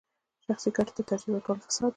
شخصي ګټو ته ترجیح ورکول فساد دی.